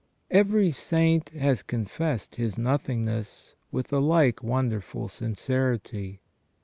Every saint has confessed his nothingness with a like wonderful sincerity.